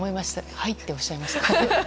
はいっておっしゃいました？